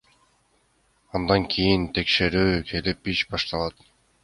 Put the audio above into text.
Андан кийин текшерүү келип, иш башталат.